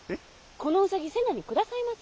このうさぎ瀬名に下さいませ！